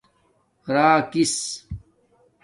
راکس